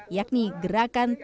yakni gerakan tiga kali lipat